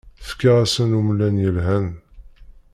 Fkiɣ-asen umlan yelhan.